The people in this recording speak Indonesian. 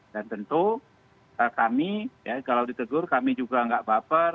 dan tentu kami ya kalau ditegur kami juga enggak bahas